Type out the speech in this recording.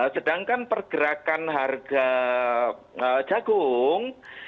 sedangkan pergerakan harga jagung